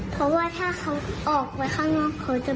เพราะว่าถ้าเขาออกไปข้างนอกเขาจะ